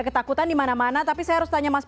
ketakutan di mana mana tapi saya harus tanya mas